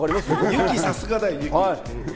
ゆき、さすがだよ！